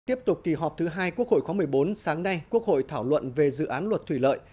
tiếp tục kỳ họp thứ hai quốc hội khóa một mươi bốn sáng nay quốc hội thảo luận về dự án luật thủy lợi